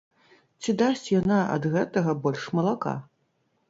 Ці дасць яна ад гэтага больш малака?